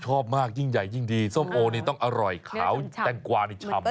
ชอบมากยิ่งใหญ่ยิ่งดีส้มโอนี่ต้องอร่อยขาวแตงกวานี่ฉ่ำ